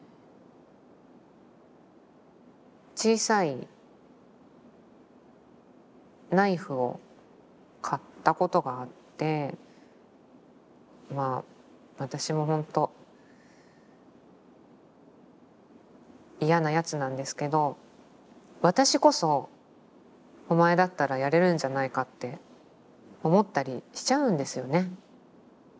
小さいナイフを買ったことがあってまあ私もほんと嫌なやつなんですけど私こそ「お前だったらやれるんじゃないか」って思ったりしちゃうんですよね。